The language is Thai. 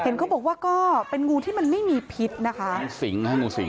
เห็นเขาบอกว่าก็เป็นงูที่มันไม่มีผิดนะคะห้างสิงห้างงูสิง